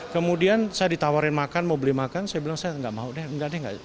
kemudian saya ditawarin makan mau beli makan saya bilang saya nggak mau deh enggak deh enggak